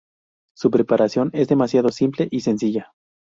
Su preparación es demasiado simple y sencilla.